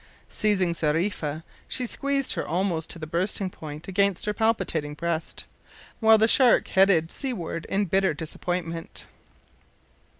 Seizing Zariffa, she squeezed her almost to the bursting point against her palpitating breast, while the shark headed seaward in bitter disappointment.